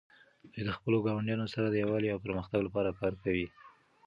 دوی د خپلو ګاونډیانو سره د یووالي او پرمختګ لپاره کار کوي.